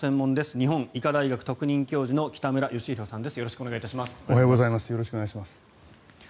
日本医科大学特任教授の北村義浩さんです。